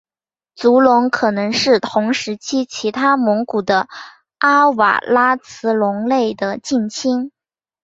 足龙可能是同时期其他蒙古的阿瓦拉慈龙类的近亲。